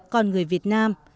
con người việt nam